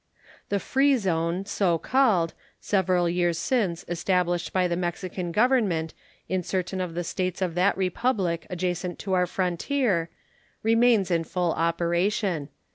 The free zone, so called, several years since established by the Mexican Government in certain of the States of that Republic adjacent to our frontier, remains in full operation.